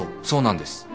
そうなんです。